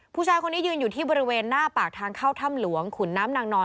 ผู้ชายคนนี้ยืนอยู่ที่บริเวณหน้าปากทางเข้าถ้ำหลวงขุนน้ำนางนอน